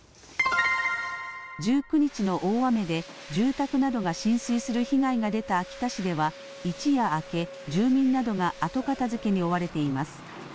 １９日の大雨で住宅などが浸水する被害が出た秋田市では一夜明け、住民などが後片づけに追われています。